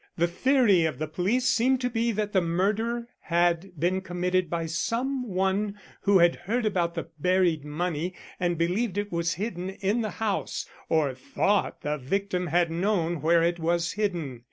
The theory of the police seemed to be that the murder had been committed by some one who had heard about the buried money and believed it was hidden in the house, or thought the victim had known where it was hidden.